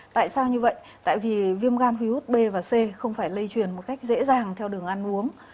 tại sao như vậy tại vì viêm gan virus b và c không phải lây truyền một cách dễ dàng theo đường ăn uống